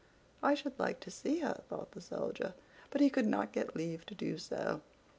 "I should like to see her," thought the Soldier; but he could not get leave to do so.